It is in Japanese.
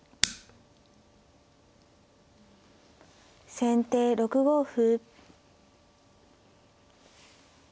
先手６五歩。